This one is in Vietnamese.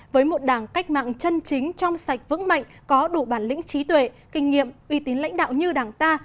với một đảng cách mạng chân chính trong sạch vững mạnh có đủ bản lĩnh trí tuệ kinh nghiệm uy tín lãnh đạo như đảng ta